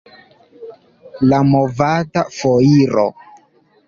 La movada foiro.